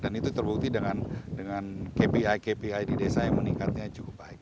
dan itu terbukti dengan kpi kpi di desa yang meningkatnya cukup baik